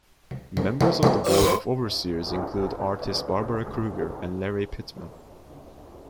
Members of the Board of Overseers include artists Barbara Kruger and Lari Pittman.